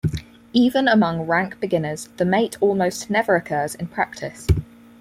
Even among rank beginners, the mate almost never occurs in practice.